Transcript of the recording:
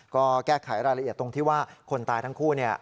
ก็แก้ไขรายละเอียดตรงที่ว่าคนตายทั้งคู่